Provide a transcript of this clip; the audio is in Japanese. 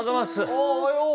あっおはよう。